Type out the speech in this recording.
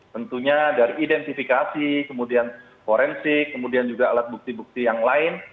tentunya dari identifikasi kemudian forensik kemudian juga alat bukti bukti yang lain